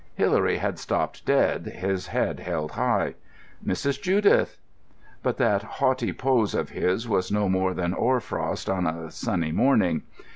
Hilary had stopped dead, his head held high. "Mrs. Judith!" But that haughty poise of his was no more than hoar frost on a sunny morning.